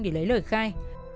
để lấy lời khai